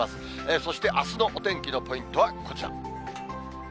そしてあすのお天気のポイントはこちら。